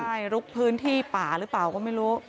ใช่ลุกพื้นที่ป่าหรือเปล่าก็ไม่รู้